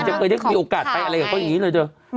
จะเคยได้มีโอกาสไปอะไรกับเขาอย่างนี้เลยเถอะ